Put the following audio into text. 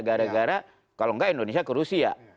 gara gara kalau enggak indonesia ke rusia